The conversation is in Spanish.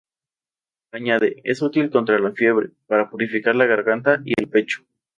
Añade, es útil contra la fiebre, para purificar la garganta y el pecho.